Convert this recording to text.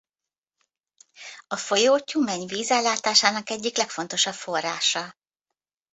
A folyó Tyumeny vízellátásának egyik legfontosabb forrása.